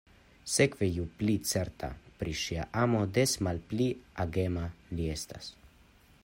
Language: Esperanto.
Sekve, ju pli certa pri ŝia amo, des malpli agema li estas.